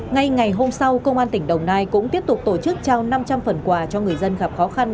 ngay ngày hôm sau công an tỉnh đồng nai cũng tiếp tục tổ chức trao năm trăm linh phần quà cho người dân gặp khó khăn